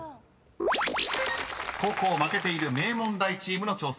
［後攻負けている名門大チームの挑戦です］